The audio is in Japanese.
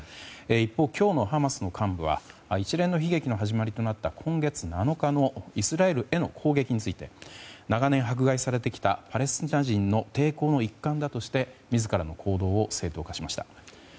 一方、今日のハマスの幹部は一連の悲劇の始まりとなった今月７日のイスラエルへの攻撃について長年、迫害されてきたパレスチナ人の抵抗の一環だとして自らの行動を正当化しました。